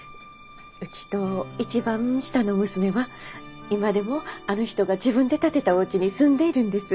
うちと一番下の娘は今でもあの人が自分で建てたおうちに住んでいるんです。